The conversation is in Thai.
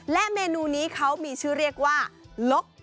และเมนูนี้เขามีชื่อเรียกว่าลก